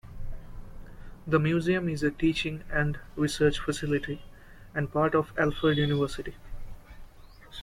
The museum is a teaching and research facility, and part of Alfred University.